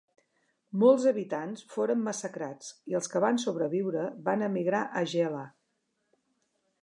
Molts habitants foren massacrats i els que van sobreviure van emigrar a Gela.